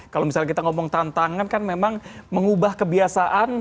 kalau misalnya kita ngomong tantangan kan memang mengubah kebiasaan